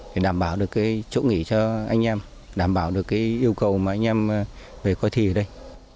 để đảm bảo được cái chỗ nghỉ cho anh em đảm bảo được cái yêu cầu mà anh em về coi thi ở đây